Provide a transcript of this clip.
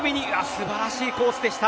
素晴らしいコースでした。